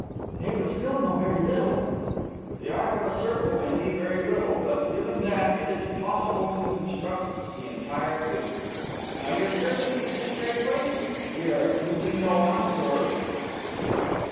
"They would still know very little." "The arc of a circle may be very little, but, given that, it is possible to construct the entire figure. Now your servants, Mrs Straithwaite? We are accusing no one, of course."